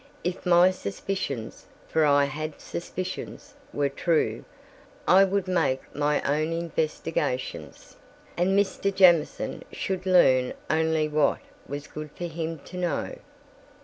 If my suspicions—for I had suspicions—were true, I would make my own investigations, and Mr. Jamieson should learn only what was good for him to know.